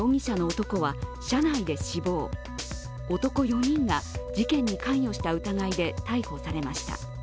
男４人が事件に関与した疑いで逮捕されました。